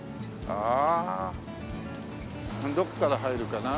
どこから入るかな？